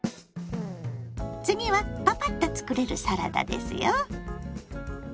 次はパパッと作れるサラダですよ。